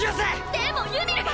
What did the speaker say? でもユミルが！！